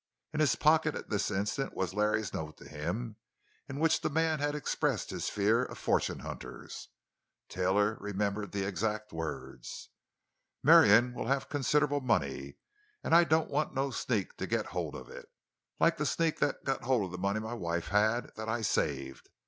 In his pocket at this instant was Larry's note to him, in which the man had expressed his fear of fortune hunters. Taylor remembered the exact words: Marion will have considerable money and I don't want no sneak to get hold of it—like the sneak that got hold of the money my wife had, that I saved.